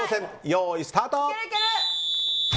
用意スタート！